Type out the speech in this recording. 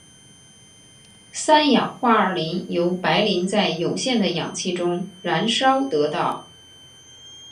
三氧化二磷由白磷在有限的氧气中燃烧得到。